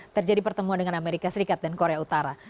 terjadi pertemuan dengan amerika serikat dan korea utara